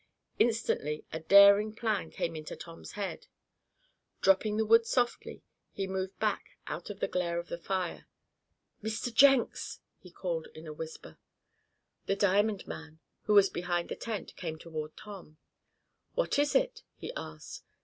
Instantly a daring plan came into Tom's head. Dropping the wood softly, he moved back out of the glare of the fire. "Mr. Jenks!" he called in a whisper. The diamond man, who was behind the tent, came toward Tom. "What is it?" he asked.